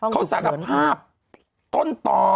เขาสารภาพต้นต่อ